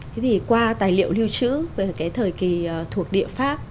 thế thì qua tài liệu lưu trữ về cái thời kỳ thuộc địa pháp